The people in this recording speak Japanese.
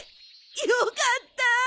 よかった。